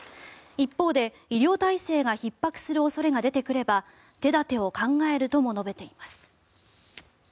一方で医療体制がひっ迫する恐れが出てくれば手立てを考えるとも述べています。